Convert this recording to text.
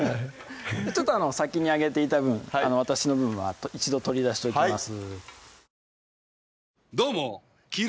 ちょっと先に揚げていた分私の分は一度取り出しておきます